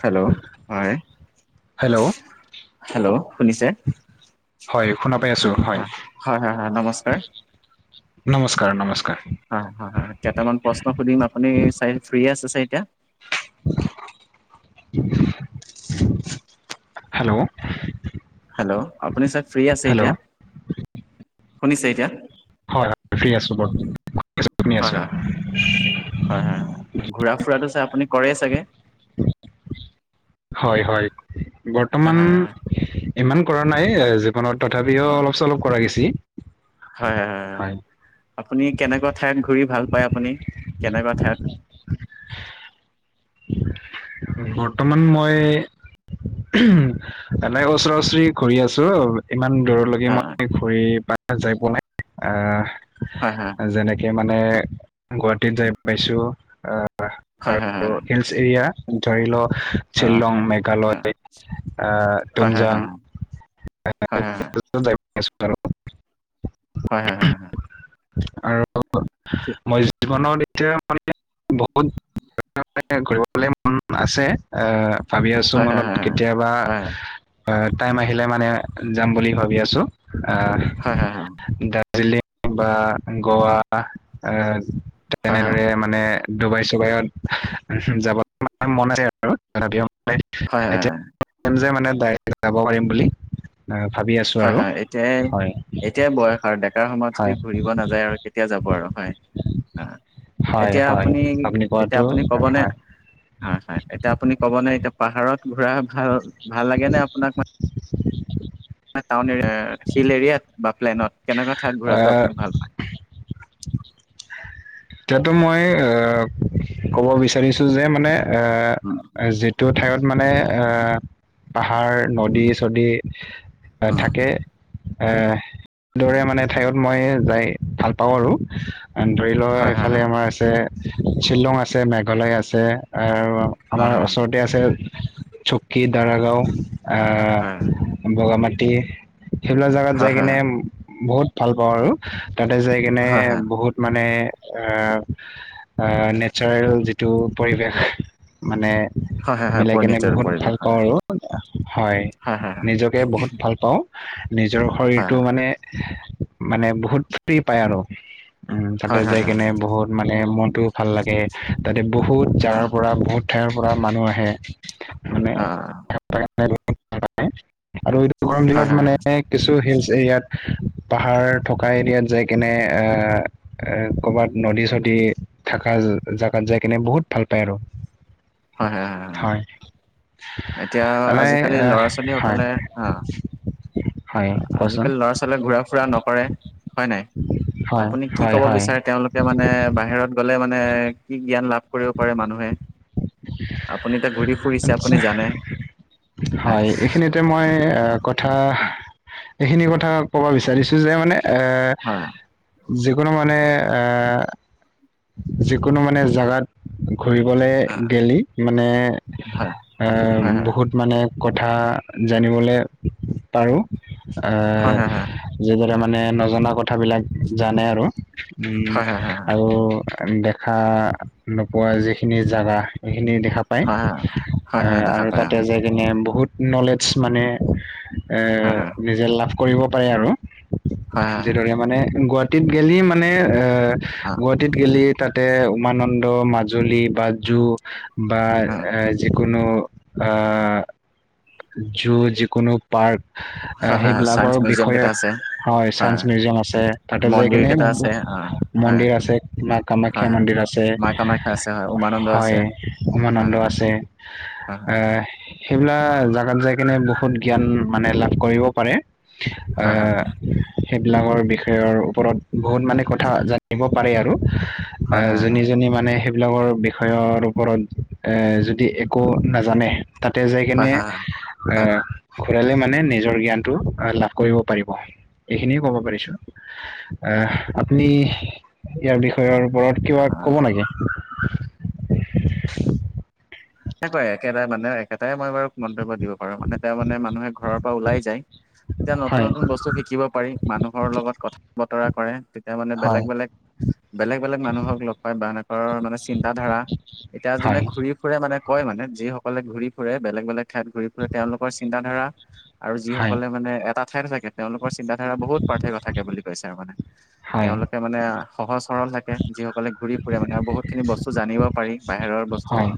Hello হয় hello hello শুনিছে হয় শুনা পাই আছো হয় হয় হয় হয় নমস্কাৰ নমস্কাৰ নমস্কাৰ হয় কেইটামান প্ৰশ্ন সুধিম আপুনি চাই ফ্ৰ্ৰী আছে চাই এতিয়া, হেল্ল' হেল্ল' আপুনি চব ফ্ৰী আছে হেল্ল' এতিয়া শুনিছে এতিয়া? হয় হয় ফ্ৰী আছোঁ ব হয় হয় হয় হয় হয় ঘূৰা ফুৰাটো আপুনি কৰে চাগে? হয় হয় হয় বৰ্তমান হয় ইমান কৰা নাই, মানত তথাপিও অলপ চ অলপ কৰা গৈছি। হয়-হয়-হয়। আপুনি কেনেকুৱা ঠাইত ঘূৰি ভাল পায় আপুনি কেনেকুৱা ঠাইত। [inaudible] বৰ্তমান মই এনোই ওচৰা ওচৰি ঘূৰি আছোঁ আৰু ইমান দূৰলৈকে হয় মই ঘূৰি পেনে যাই পোৱা নাই। আহ হয় হয় যেনেকে মানে মানে গুৱাহাটীত যাই পাইছোঁ হয় হয় হয় আৰু হিলছ এৰিয়া। ধৰি লওঁ হয় শ্বিলং, মেঘালয়, আহ হয় হয় হয় হয় তুমজাং। হয়, হয়। বছ কৰোঁ। হয়, হয়, হয়। আৰু মই জীৱনত এতিয়া মানে বহুত ঘূৰিবলে মন আছে, আহ ভাবি আছোঁ হয় হয় হয় হয় হয় হয় মনত কেতিয়াবা টাইম আহিলে মানে যাম বুলি ভাবি আছোঁ। আহ হয় হয় দাৰ্জিলিং বা গোৱা আহ হয় তেনেদৰে, মানে ডুবাই চুবাইত যাব মন আছে আৰু তথাপিও হয় হয় হয় যে মানে ডাইৰেক্ট যাব পাৰিম বুলি। আহ, ভাবি আছো হয়, আৰু হয়। এতিয়া, হয় এতিয়াই বয়স আৰু ডেকাৰ সময়ত যদি হয় ঘুৰিব নাযায় আৰু কেতিয়া যাব। বৰ আৰু হয় আহ হয় এতিয়া হয় আপুনি এতিয়া, কোৱাটো আপুনি ক'বনে হয় হয়, হয়। এতিয়া, আপুনি ক'বনে এতিয়া পাহাৰত ঘূৰা ভাল, ভাল লাগে নে আপোনাক মানে টাউন এৰিয়া, শিল এৰিয়াত বা প্লেনত কেনেকুৱা ঠাইত ঘূৰাটো আহ, আপুনি ভাল পায়? [inaudible] এতিয়াতো মই আহ, কব বিচাৰিছো যে মানে আ, উম যিটো ঠাইত মানে আ পাহাৰ উম নদী-চদী আহ উম থাকে এহ, দৰে মানে ঠাইত মই যাই ভাল পাওঁ আৰু। ধৰি লও হয় হয় এইফালে আমাৰ আছে, শ্বিলং আছে, মেঘালয় আছে আৰু হয় আমাৰ হয় ওচৰতে আছে চুকী, দাৰাগাঁও, আহ, হয় বগামাাটি সেইবিলাক জাগাত হয় হয় যাই হয় কিনে, বহুত ভাল পাওঁ আৰু। তাতে যাই কেনে হয় বহুত মানে আহ, আহ, নেচাৰেল যিটো পৰিৱেশ মানে হয় হয় হয় মিলাই কেনে পৰিণিতৰ বহুত পৰিৱেশ [unintelligible] হয় হয়, নিজকে বহুত ভাল পাওঁ। নিজৰ হয় শৰীৰটো মানে-মানে বহুত ফ্ৰি পায় আৰু। উম, তাতে হয় হয় হয় হয় যাই হয় কেনে বহুত মানে মনটোও ভাল লাগে। তাতে বহুত জাগাৰ পৰা বহুত ঠাইৰ পৰা মানুহ আহে। মানে অ'। [unintelligible] আৰু এইটো গৰম হয় হয় হয় হয় দিনত মানে হয় কিছু হিল এইয়াত, পাহাৰ থকা এৰিয়াত যাই কেনে এ ক'ৰবাত নদী-চদী থকা জাগাত যাই কিনে বহুত ভাল পায় আৰু। হয়-হয়। হয় এতিয়া মানে আজিকালি ল'ৰা ছোৱালী হয় সকলে আহ হয় কোৱাচোন আজিকালি ল'ৰা ছোৱালীয়ে ঘূৰা ফুৰা নকৰে, হয় নাই? হয় আপুনি কি হয় ক'ব হয় বিচাৰে তেওঁলোকে মানে, বাহিৰত গলে মানে কি জ্ঞান লাভ কৰিব পাৰে মানুহে, আপুনি এতিয়া ঘূৰি ফুৰিছে। আপুনি জানে হয়, এইখিনিতে মই কথা, এইখিনি ক কথা ক'ব বিচাৰিছো যে মানে এ, হয় যিকোনো মানে আহ, যিকোনো মানে জেগাত ঘুৰিবলৈ হয় গেলি মানে, হয় আহ, হয় বহুত মানে কথা জানিবলৈ পাৰো, আহ, হয় হয় যিদৰে ম নে নজনা কথাবিলাক জানে আৰু, হয় হয় হয় আৰু দেখা নোপোৱা যিখিনি জাগা খিনি দেখা পায় হয় হয় হয় হয় দেখা আৰু পায় অ তাতে যাই কিনে বহুত নলেজ মানে এ হয় হয় নিজে লাভ কৰিব পাৰে আৰু হয় হয় হয় যিদৰে মানে গুৱাহাটীত গেলি মানে এ গুৱাহাটী তাতে উমানন্দ মাজুলী বা জু বা হয় এ যি কোনো অ', জু যিকোনো পাৰ্ক হয় হয় চাইন্স সেইবিলাকৰ মিউজিয়াম বিষয়ে কেইটা আছে হয় চাইন্স মিউজিয়াম আছে তাতে যাই মন্দিৰ কিনে কেইটা আছে অ হয় মন্দিৰ আছে মা হয় কামাখ্যা হয় মন্দিৰ আছে মা কামাখ্যা আছে হয় উমানন্দ আছে হয় হয় উমানন্দ হয় আছে হয় হয় আঁহ সেইবিলাক জাগাত যাই কিনে বহুত জ্ঞান মানে লাভ কৰিব পাৰে হয় হয় অ' সেইবিলাকৰ বিষয়ৰ ওপৰত বহুত মানে কথা জানিব পাৰে আৰু হয় অ' হয় হয় জনী জনী মানে সেইবিলাকৰ বিষয়ৰ ওপৰত এ যি একো নাজানে তাতে যাই হয় কিনে হয় হয় হয় আঁ ঘুৰালে মানে নিজৰ জ্ঞানতটো লাভ কৰিব পাৰিব এইখিনিয়ে ক'ব পাৰিছো আপুনি ইয়াৰ বিষয়ৰ ওপৰত কিবা হয় কব হয় নেকি এনেকুৱাই একেটা মানে একেটাই মই বাৰু মন্তব্য দিব পাৰো তাৰ মানে তেওঁ মানে মানুহে ঘৰৰ পৰা ওলাই যায় তেতিয়া নতুন হয় নতুন বস্তু শিকিব পাৰি মানুহৰ লগত কথা বতৰা কৰে তেতিয়া মানে বেলেগ হয় বেলেগ বেলেগ বেলেগ মানুহক লগ পাই বা এনেৰ মানে চিন্তা ধাৰা এতিয়া যোনে হয় ঘূৰি ফুৰে মানে কয় মানে যি সকলে ঘূৰি ফুৰে বেলেগ বেলেগ ঠাইত ঘূৰি ফুৰে তেওঁলোকৰ চিন্তা ধাৰা আৰু হয় যিসকলে মানে এটা ঠাইত থাকে তেওঁলোকৰ চিন্তাধাৰা বহুত পাৰ্থক্য থাকে বুলি কৈছে আৰু মানে হয় তেওঁলোকে মানে সহজ সৰল থাকে যিসকলে ঘূৰি ফুৰে মানে আৰু বহুত খিনি বস্তু জানিব পাৰি বাহিৰৰ বস্তু হয়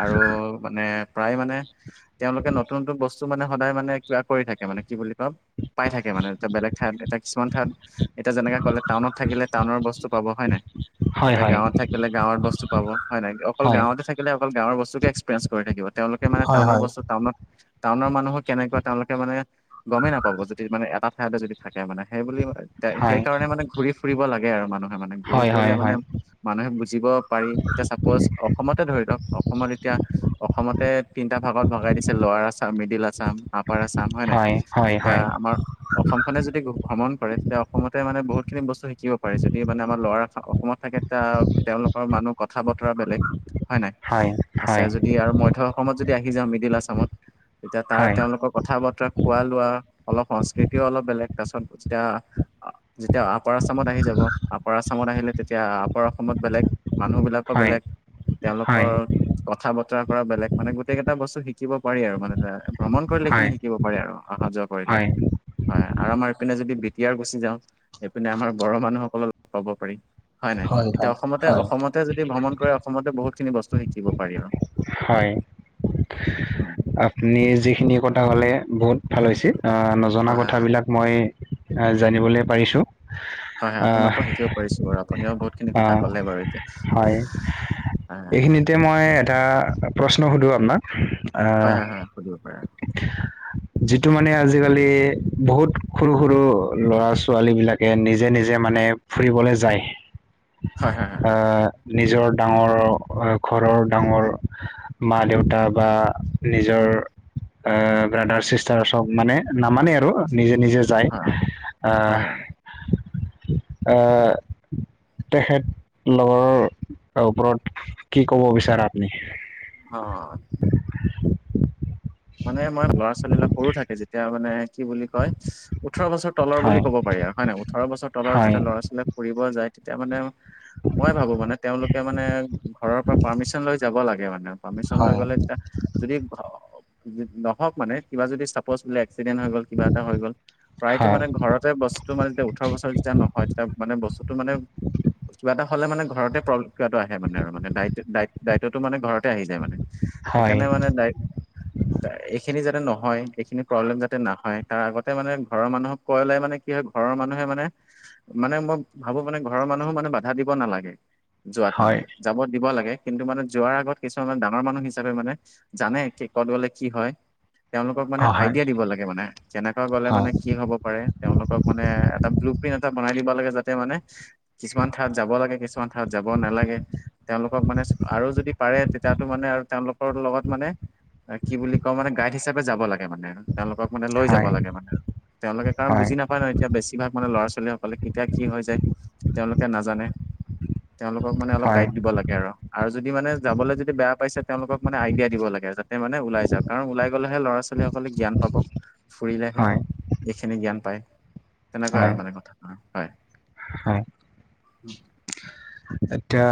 আৰু মানে প্ৰায় মানে তেওঁলোকে নতুন নতুন বস্তু মানে সদায় মানে কিবা কৰি থাকে মানে কি বুলি কওঁ পাই থাকে মানে এ বেলেগ ঠাইত এ কিছুমান ঠাইত এতিয়া যেনেকে ক'লে টাউনত থাকিলে টাউনৰ বস্তু পাব হয় নাই হয় এটা হয় গাঁৱত থাকিলে গাঁৱত বস্তু পাব হয় নাই অকল হয় গাঁৱতে থাকিলে অকল গাঁৱৰ বস্তকে এসপেৰিেঞ্চ কৰি থাকিব তেওঁলোকে মানে হয় টাউনৰ বস্ত টাউনত টাউনৰ মানুহক কেনেকুৱা তেওঁলোকে মানে গমেই নাপাব যদি মানে এটা ঠাইতে যদি থাকে মানে সেইবুলি হয় সেইকাৰণে মানে ঘূৰি ফুৰিব লাগে আৰু মানুহ হয় মানে ঘুৰি হয় ফুৰিলে হয় হয় মানে মানুহে বুজিব পাৰি এতিয়া চাপ'জ অসমতে ধৰি লওক অসমত এতিয়া অসমতে তিনটা ভাগত ভগাই দিছে lower Assam middle Assam upper upper Assam হয় ন এতিয়া আমাৰ অসম খনে যদি ভ্ৰমণ কৰে তেতিয়া অসমতে মানে বহুত খিনি বস্তু শিকিব পাৰি যদি মানে আমাৰ ল'ৰা অসমত থাকে তেতিয়া তেওঁলোকৰ ম কথা বতৰা বেলেগ হয় নাই আছে যদি আৰু মধ্য অসমত যদি আহি যাওঁ মিডিল আছামত তেতিয়া তাৰ হয় তেওঁলোকৰ কথা বতৰা খোৱা লোৱা অলপ সংস্কৃতিও অলপ বেলেগ তাৰপিছত যেতিয়া যেতিয়া আপাৰ আসামত আহি যাব আপাৰ আছামত আহিলে তেতিয়া আপৰ অসমত বেলেগ মানুহ বিলাকৰ হয় বেলেগ হয় তেওঁলোকৰ কথা বতৰা বেলেগ মানে গোটেইটা বস্তু শিকিব পাৰি আৰু মানে ভ্ৰমণ কৰিলে খিনি হয় শিকিব পাৰি আৰু অহা যোৱা কৰিলে হয়। হয় আৰু আমাৰ পিনে যদি বিতিয়াৰ গুচি যাওঁ এইপিনে আমাৰ বড় মানুহসকলক লগ পাব পাৰি হয় নাই হয় এতিয়া অসমতে হয়। অসমতে যদি ভ্ৰমণ কৰে অসমতে বহুতখিনি বস্তু শিকিব পাৰি আৰু হয় উম, আপুনি যিখিনি কথা কলে বহুত ভাল হৈছে নজনা হয় হয় হয় কথাবিলাক মই জানিবলৈ পাৰিছোঁ হয় আপোনাৰ পৰা শিকিব পাৰিছো আৰু আপুনিও বহুত খিনি কথা অ', ক'লে বাৰু এতিয়া হয় হয় হয় এইখিনিতে মই এটা প্ৰশ্ন সুধো আপোনাক হয় আহ হয় হয় সুধিব পাৰে যিটো মানে আজিকালি বহুত সৰু সৰু ল'ৰা ছোৱালী বিলাকে নিজে নিজ যে মানে ফুৰিবলৈ যায় হয় হয় হয় নিজৰ ডাঙৰ ঘৰৰ ডাঙৰ মা দেউতা বা নিজৰ ব্ৰাদাৰ চিচতাৰ্চক নামানে আৰু নিজে নিজে যায় হয় আ হয় হয়। আ তেখেত লগৰৰ ওপৰত কি ক'ব বিচাৰে আপুনি হ [unintelligible] মানে আমাৰ ল'ৰা ছোৱালীবিলাক সৰু থাকে যেতিয়া মানে কি বুলি কয় ওঠৰ বছৰ তলৰ বুলি হয় ক'ব পাৰি আৰু হয়ে ন ওঠৰ বছৰ তলৰ হয় যেতিয়া ল'ৰা ছোৱালী ফুৰিব যায় তেতিয়া মানে মই ভাবো মানে তেওঁলোকে মানে ঘৰৰ পৰা পাৰ্মিশন লৈ যাব লাগে মানে পাৰ্মিশন লৈ হয় গ'লে যেতিয়া যদি নহওক মানে কিবা যদি চাপজ বোলে এক্সিডেণ্ট হৈ গল কিবা এটা হৈ গ'ল প্ৰায়টো হয় মানে ঘৰতে বস্তু মানে যেতিয়া ওঠৰ বছৰ যেতিয়া নহয় তেতিয়া মানে বস্তুটো মানে কিবা এটা হ'লে মানে ঘৰতেম কিবাটো আহে মানে আৰু মানে দায়িত্বতটো মানে ঘৰত আহি যায় মানে হয় সেইকাৰণে মানে এইখিনি যাতে নহয় এইখিনি প্ৰব্লেম যাতে নহয় তাৰ আগতে মানে ঘৰৰ মানুহক কয় ললে মানে কি হয় ঘৰৰ মানে মানুহে মানে মানে মই ভাবো মানে ঘৰৰ মানুহো মানে বাধা দিব নালাগে যোৱাত মানে হয় যাব দিব লাগে কিন্তু মানে যোৱাৰ আগত কিছুমানানে ডাঙৰ মানুহ হিচাপে মানে জানে কি ক'ত গ'লে কি হয় তেওঁলোকক মানে অ হয় আইডিয়া দিব লাগে মানে কেনেকুৱা গলে মানে হয় কি হ'ব পাৰে তেওঁলোকক মানে এটা ব্লুপন্ এটা বনাই দিব লাগে যাতে মানে কিছুমান ঠাইত যাব লাগে কিছুমান ঠাইত যাব নালাগে তেওঁলোকক মানে আৰু যদি পাৰে তেতিয়াতো মানে আৰু তেওঁলোকৰ লগত মানে কি বুলি ক মানে গাইড হিচাপে যাব লাগে মানে তেওঁলোক মানে লৈ য হয় লাগোনে তেওঁলোকে কাৰণ হয় বুজি নাপায় ন এতিয়া বেছিভাগ মানে ল'ৰা ছোৱালী ছোৱালী সকলে কেতিয়া কি হৈ যায় তেওঁলোকে নাজানে তেওঁলোকক মানে অলপ হয় গাইড দিব লাগে তেওলোক মানে অলপ গাইদ দিব লাগে আৰু যদি মানে যাবলৈ যদি বেয়া পাইছে তেওঁলোকক মানে আইডিয়া দিব লাগে যাতে মানে ওলাই যাওক কাৰণ ওলাই গলেহে ল'ৰা ছোৱালী সকলে জ্ঞান পাব ফুৰিলেহে হয় এইখিনি জ্ঞান তেনেকুৱা আৰু মানে কথা হয় অ এতিয়া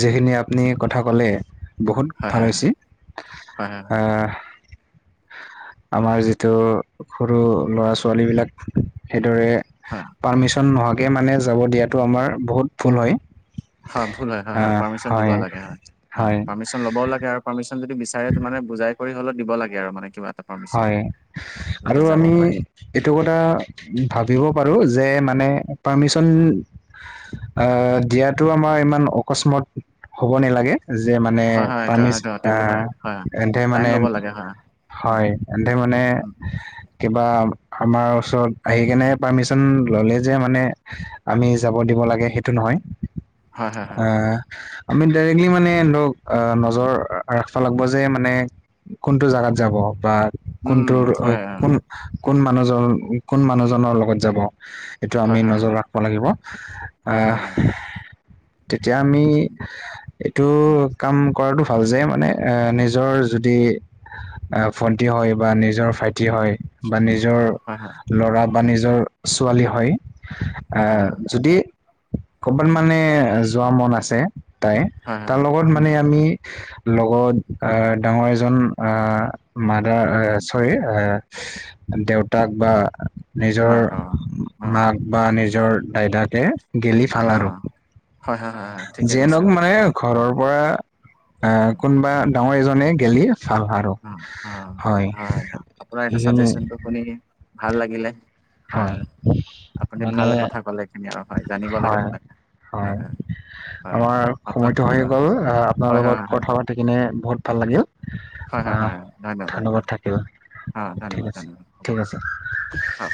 যিখিনি আপুনি কথা ক'লে বহুত হয় ভাল হয় হৈছি হয় হয় অা আমাৰ যিটো সৰু ল'ৰা ছোৱালী বিলাক সেই ৰে হয় পাৰ্মিচন নোহোৱাকে মানে যাব দিয়াটো আমাৰ বহুত ভুল হয় হয় ভুল হয় হয় হয় আহ পাৰ্মিশন দিব হয় লাগে হয় হয় পাৰ্মিশন ল'বও লাগে আৰু পাৰ্মিশন যদি বিচাৰে মানে বুজাই হলেত দিব লাগে আৰু মানে কিবাত হয় আৰু আমি পাৰে এইটো কথা ভাবিব পাৰো যে মা মানে পাৰ্মিচন আহ দিয়াতটো আমাৰ ইমান অকস্মাত হ'ব নেলাগে যে মানে হয় হয় এইটো পানীচ সেইটো অ সেইটো হয় হয় এন্ধে টাইম মানে ল'ব লাগে হয় উম হয় এন্ধে মানে উম কিবা আমাৰ ওচৰত আহি কেনে পাৰ্মিশন ললে যে মানে আমি যাব দিব দিব লাগে সেইটো নহয় হয় হয় অ হয় আমি ডাইৰেক্টলি মানে ধৰক আহ নজৰ ৰাখাবি লাগিব যে মানে কোনটো জাগাত যাব বা উম কোনটো হয় হয় কোন হয় কোন মানুহজনৰ কোন মানুহজনৰ লগত যাব এইটো হয় আমি হয় নজৰ ৰাখবা লাগিব হয় হয় আহ হয় তেতিয়া আমি এইটো উম কাম [unintelligible] হয় বা নিজৰ হয় হয় ল'ৰা বা নিজৰ ছোৱালী হয়। এ হয় হয় হয় যদি ক'ৰবাত উম মানে যোৱা মন আছে তাই, হয় হয় তাৰ লগত উম মানে আমি উম [unintelligible] দেউতাক বা নিজৰ মাক অ অ মাক বা নিজৰ নিজৰ দাইদাকে গেলি অ ফালাৰু হয় হয় হয় হয় ঠিকে কৈছে যেনক হয় মানে ঘৰৰ পৰা অ' কোনোবা ডাঙৰ এজনে গেলি ছাল সাৰো অ অ আপোনাৰ হয় এইটো এইখিনি চাজেচনটো শুনি ভাল লাগিলে। হয় হয়। আপুনি মানে ভাল কথা কলে এইখিনি আৰু। হয় জানিব লাগে হয় তেনেকে। হয়। হয় আমাৰ আপোনাৰ সময়টো হৈ অ, গ'ল আপোনাৰ হয় হয় লগত হয় কথা পাতি কিনে বহুত ভাল লাগিল। হয় হয় অ' হয় হয় বাৰু ধন্যবাদ থাকিল। অ ঠিক ধন্যবাদ আছে, ধন্যবাদ হ'ব ঠিক আছে। হ'ব